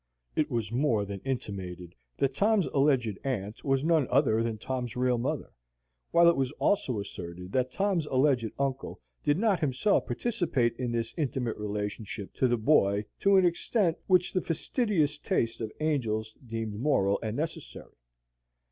It was more than intimated that Tom's alleged aunt was none other than Tom's real mother, while it was also asserted that Tom's alleged uncle did not himself participate in this intimate relationship to the boy to an extent which the fastidious taste of Angel's deemed moral and necessary.